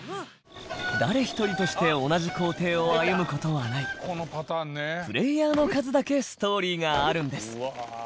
誰一人として同じ行程を歩む事はないプレイヤーの数だけストーリーがあるんです